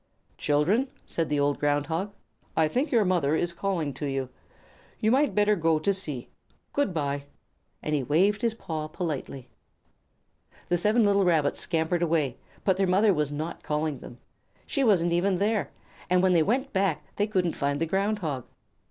"Children," said the old Ground Hog, "I think your mother is calling to you. You might better go to see. Good by." And he waved his paw politely. The seven little Rabbits scampered away, but their mother was not calling them. She wasn't even there, and when they went back they couldn't find the Ground Hog.